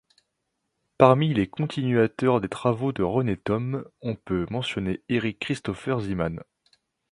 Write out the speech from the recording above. Parmi les continuateurs des travaux de René Thom, on peut mentionner Erik Christopher Zeeman.